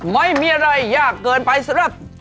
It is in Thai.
ไม่มีอะไรยากเกินไปสำหรับ